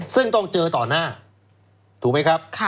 ซึ่งต้องเจอต่อหน้าถูกไหมครับ